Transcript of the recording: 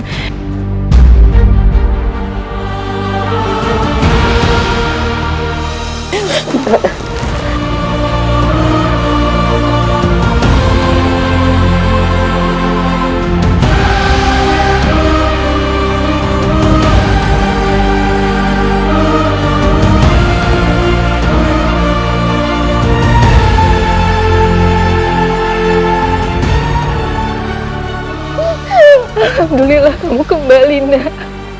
alhamdulillah kamu kembali nak